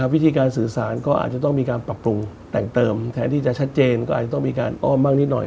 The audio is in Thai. วิธีการสื่อสารก็อาจจะต้องมีการปรับปรุงแต่งเติมแทนที่จะชัดเจนก็อาจจะต้องมีการอ้อมบ้างนิดหน่อย